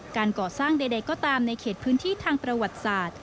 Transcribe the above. การก่อสร้างใดก็ตามในเขตพื้นที่ทางประวัติศาสตร์